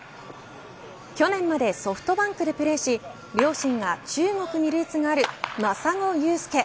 去年までソフトバンクでプレーし両親が中国にルーツがある真砂勇介。